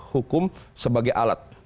hukum sebagai alat